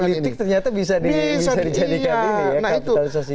proses politik ternyata bisa dijadikan ini ya kapitalisasi